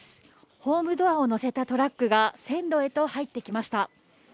ホームドアをのせたトラックが、線路へと入ってきました。